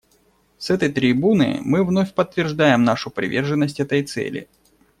С этой трибуны мы вновь подтверждаем нашу приверженность этой цели.